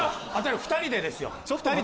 ２人でですよ。